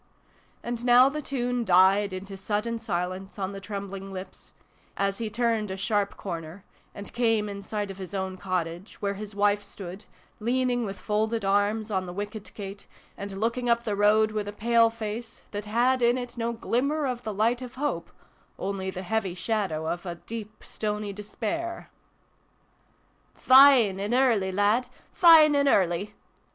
And now the tune died into sudden silence on the trembling lips, as he turned a sharp corner, and came in sight of his own cottage, where his wife stood, leaning with folded arms on the wicket gate, and looking up the road with a pale face, that had in it no glimmer of the light of hope only the heavy shadow of a deep stony despair. " Fine an' early, lad ! Fine an' early